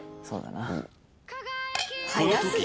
そうだな。